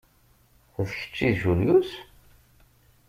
D kečč i d Julius?